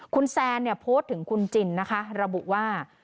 คุณแซนเนี่ยโพสต์ถึงคุณจินนะคะระบุว่า